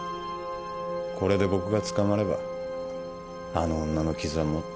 これで僕が捕まればあの女の傷はもっと深くなる。